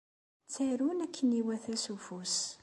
Ttarun akken iwata s ufus.